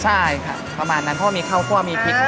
ใช่ค่ะประมาณนั้นเพราะว่ามีข้าวคั่วมีพริก